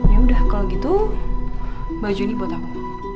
yaudah kalau gitu baju ini buat aku